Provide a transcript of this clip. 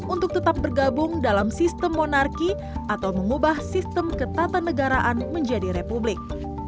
untuk tetap bergabung dalam sistem monarki atau mengubah sistem ketatanegaraan menjadi republik